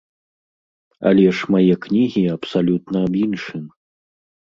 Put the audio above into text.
Але ж мае кнігі абсалютна аб іншым.